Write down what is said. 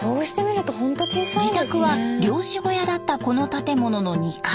自宅は漁師小屋だったこの建物の２階。